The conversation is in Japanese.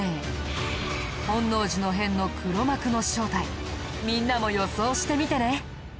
本能寺の変の黒幕の正体みんなも予想してみてね。